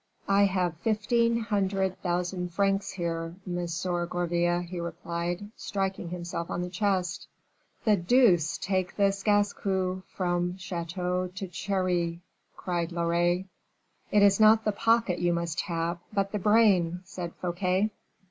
"I have fifteen hundred thousand francs here, Monsieur Gourville," he replied, striking himself on the chest. "The deuce take this Gascon from Chateau Thierry!" cried Loret. "It is not the pocket you must tap but the brain," said Fouquet.